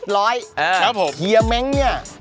เรียร์แม็งค์นี่๑๕๐๐